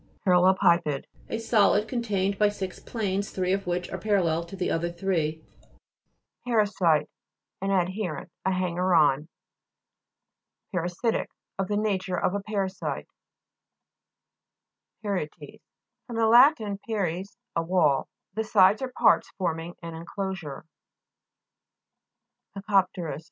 PARALLE'PIPED A solid contained by six planes, three of which are parallel to the other three. GLOSSARY. GEOLOGY. 229 PA'RASITE An adherent, a hanger on. PARASI'TIC Of the nature of a para site. PARI'ETES fr. lat. paries, a wall. The sides or parts forming an en closure. PARIS BASIN (p. 79). PECO'PTERIS fr.